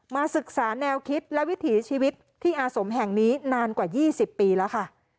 ศึกษาแนวคิดและวิถีชีวิตที่อาสมแห่งนี้นานกว่า๒๐ปีแล้วค่ะ